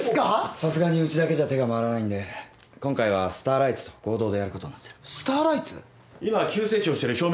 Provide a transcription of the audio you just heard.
さすがにうちだけじゃ手が回らないんで今回はスターライツと合同でやることになってる。